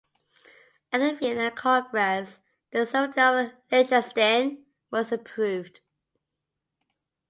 At the Vienna Congress the sovereignty of Liechtenstein was approved.